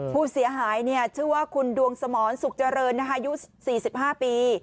ผู้เสียหายชื่อว่าคุณดวงสมรสุขเจริญอายุ๔๕ปี